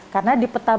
karena di peta bpn